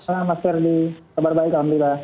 selamat malam mas ferdi kabar baik amri